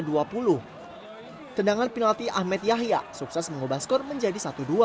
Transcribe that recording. menit ke dua puluh tendangan penalti ahmed yahya sukses mengubah skor menjadi satu dua